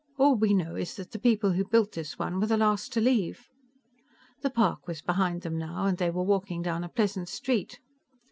All we know is that the people who built this one were the last to leave." The park was behind them now, and they were walking down a pleasant street.